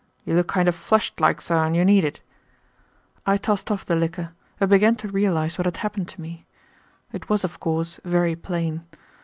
"You look kind of flushed like, sir, and you need it." I tossed off the liquor and began to realize what had happened to me. It was, of course, very plain.